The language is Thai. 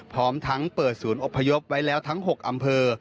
พร้อมทั้งเปิดศูนย์อบพยพไว้แล้วทั้ง๖อำเภอ